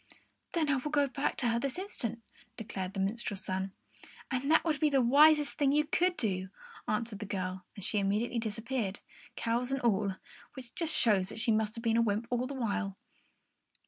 "Then I will go back to her this very instant," declared the minstrel's son. "And that would be the wisest thing you could do," answered the girl; and she immediately disappeared, cows and all, which just shows that she must have been a wymp all the while.